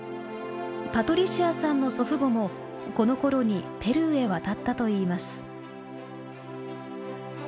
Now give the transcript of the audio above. パトリシアさんの祖父母もこのころにペルーへ渡ったといいます。